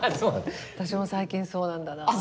私も最近そうなんだなあ。